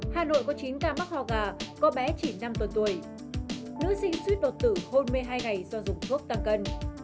hà nội có chín ca mắc hò gà có bé chỉ năm tuần tuổi nữ sinh suýt vật tử hôn mê hai ngày do dùng thuốc tăng cân